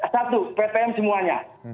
satu ppm semuanya